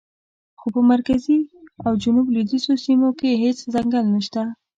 خو په مرکزي او جنوب لویدیځو سیمو کې هېڅ ځنګل نشته.